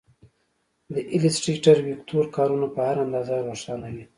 د ایلیسټریټر ویکتور کارونه په هر اندازه روښانه وي.